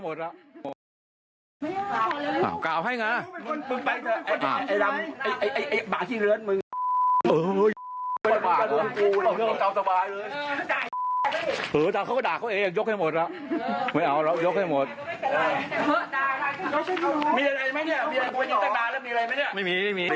ไม่เอาเรายกให้หมด